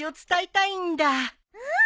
うん！